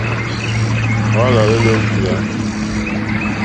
Paul à hwélō njìyá.